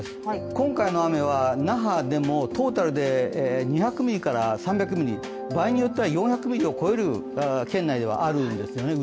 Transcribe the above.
今回の雨は那覇でもトータルで２００ミリから３００ミリ県内では、場合によっては４００ミリを超える雨量があるんですよね。